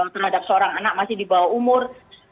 terhadap seorang anak masih di bawah umur